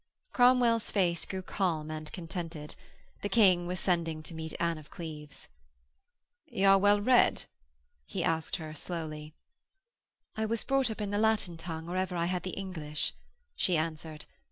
Cromwell's face grew calm and contented; the King was sending to meet Anne of Cleves. 'Y' are well read?' he asked her slowly. 'I was brought up in the Latin tongue or ever I had the English,' she answered.